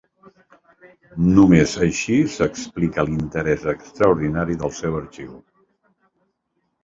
Només així s’explica l’interés extraordinari del seu arxiu.